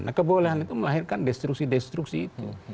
nah kebolehan itu melahirkan destruksi destruksi itu